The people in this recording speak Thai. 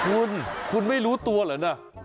คุณคุณไม่รู้ตัวเหรอนะ